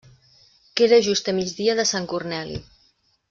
Queda just a migdia de Sant Corneli.